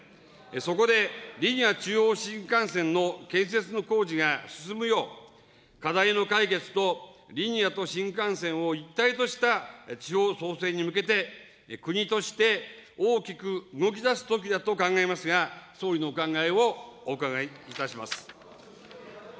そこで、リニア中央新幹線の建設の工事が進むよう、課題の解決と、リニアと新幹線を一体とした地方創生に向けて、国として大きく動きだすときだと考えますが、総理のお考えをお伺いいたします。